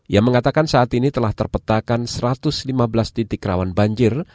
yang mengatakan saat ini telah terpetakan satu ratus lima belas titik rawan banjir